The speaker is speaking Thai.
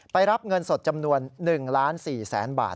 ไปรับเงินสดจำนวน๑๔๐๐๐๐๐บาท